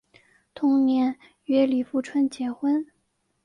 同年与李富春结婚。